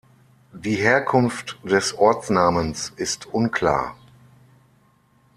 Die Herkunft des Ortsnamens ist unklar.